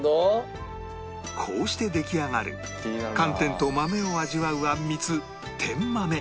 こうして出来上がる寒天と豆を味わうあんみつてんまめ